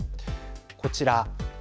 こちら。